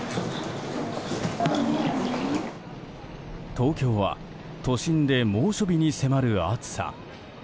東京は都心で猛暑日に迫る暑さ。